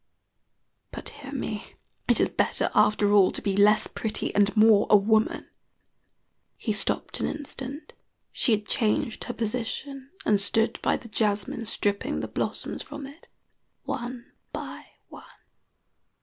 But hear me: it is better, after all, to be less pretty and more a woman." He stopped an instant. She had changed her position, and stood by the jasmine, stripping the blossoms from it one by one.